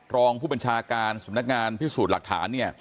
รองผู้บัญชาการสำนักงานพิสูจน์หลักฐานเนี่ย